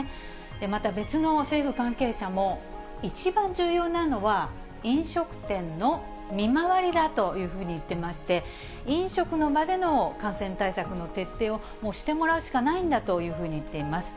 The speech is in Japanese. また別の政府関係者も、一番重要なのは、飲食店の見回りだというふうに言ってまして、飲食の場での感染対策の徹底をもうしてもらうしかないんだというふうに言っています。